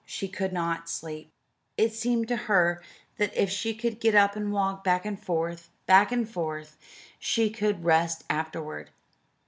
She could not sleep. It seemed to her that if she could get up and walk, back and forth, back and forth, she could rest afterward.